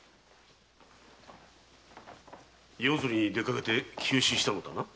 夜釣りに出かけて急死したのだな？